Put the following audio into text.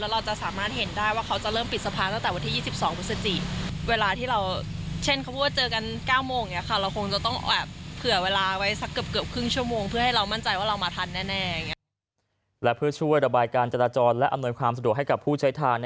และเพื่อช่วยระบายการจราจรและอำนวยความสะดวกให้กับผู้ใช้ทาง